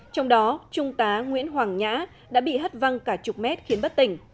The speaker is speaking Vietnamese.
trong đó trung tá nguyễn hoàng nhã đã bị hất văng cả chục mét khiến bất tỉnh